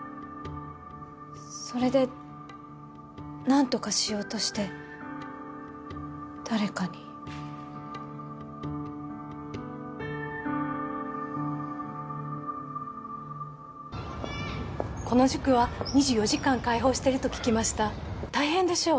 それで何とかしようとして誰かにこの塾は２４時間開放してると聞きました大変でしょう？